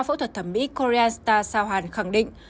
phẫu thuật thẩm mỹ korean star sao hàn khẳng định